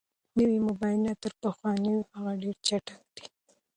نوي موبایلونه تر پخوانیو هغو ډېر چټک دي.